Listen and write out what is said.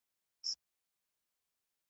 د بزګر لرګی به سم ورته اړم سو .